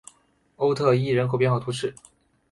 欧特伊人口变化图示